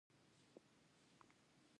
دغو اوازو د سلطنت حیثیت خراب کړ.